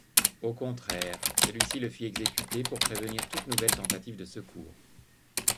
Au contraire, celui-ci le fit exécuter pour prévenir toute nouvelle tentative de secours.